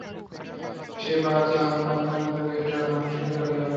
সেই বাঁহাতি আম বাগানের মধ্যে দিয়া একটা মাঠে লইয়া গেল।